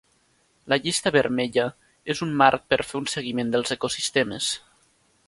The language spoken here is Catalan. La Llista Vermella és un marc per fer un seguiment dels ecosistemes.